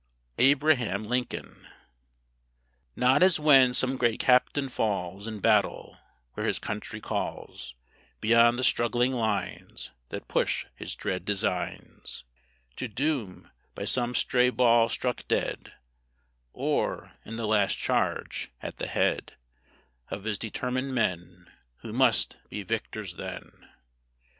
ABRAHAM LINCOLN Not as when some great Captain falls, In battle, where his Country calls, Beyond the struggling lines That push his dread designs To doom, by some stray ball struck dead: Or, in the last charge, at the head Of his determined men, Who must be victors then.